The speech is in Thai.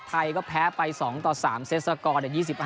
ไทยก็แพ้ไป๒ต่อ๓เซตสกอร์๒๕